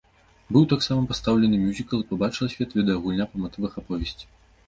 Быў таксама пастаўлены мюзікл і пабачыла свет відэагульня па матывах аповесці.